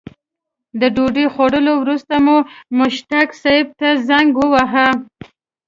د ډوډۍ خوړلو وروسته مو مشتاق صیب ته زنګ وواهه.